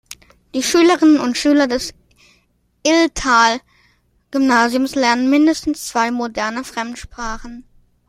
Die Schülerinnen und Schüler des Illtal-Gymnasiums lernen mindestens zwei moderne Fremdsprachen.